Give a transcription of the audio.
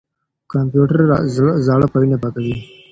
کمپيوټر زاړه فايلونه پاکوي.